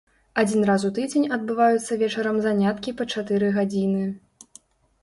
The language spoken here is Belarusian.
Адзін раз у тыдзень адбываюцца вечарам заняткі па чатыры гадзіны.